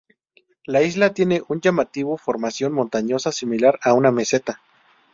La isla tiene un llamativo formación montañosa, similar a una meseta.